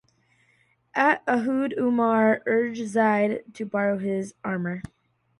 At Uhud Umar urged Zayd to borrow his armour.